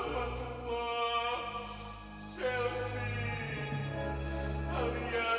telah pun bulan telah matukah